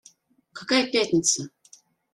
Какая пятница?